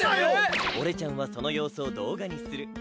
俺ちゃんはそのようすを動画にする。